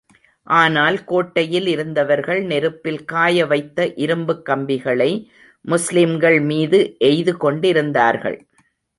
ஆனால், கோட்டையில் இருந்தவர்கள் நெருப்பில் காய வைத்த இரும்புக் கம்பிகளை முஸ்லிம்கள் மீது எய்து கொண்டிருந்தார்கள்.